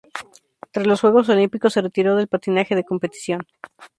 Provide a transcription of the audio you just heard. Tras los Juegos Olímpicos, se retiró del patinaje de competición.